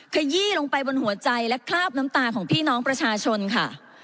ขยี้ลงไปบนหัวใจและคราบน้ำตาของพี่น้องประชาชนค่ะ